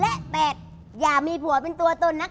และแบบอย่ามีผัวเป็นตัวโต่นกาก